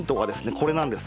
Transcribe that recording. これなんですが。